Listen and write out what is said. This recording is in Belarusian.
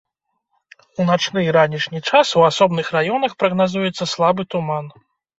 У начны і ранішні час у асобных раёнах прагназуецца слабы туман.